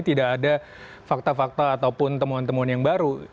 tidak ada fakta fakta ataupun temuan temuan yang baru